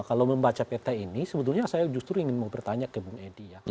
kalau membaca peta ini sebetulnya saya justru ingin mau bertanya ke bung edi ya